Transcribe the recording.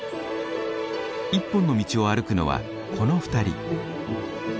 一本の道を歩くのはこの２人。